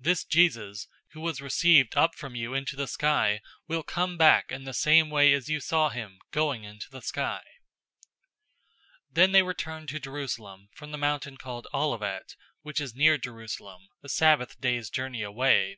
This Jesus, who was received up from you into the sky will come back in the same way as you saw him going into the sky." 001:012 Then they returned to Jerusalem from the mountain called Olivet, which is near Jerusalem, a Sabbath day's journey away.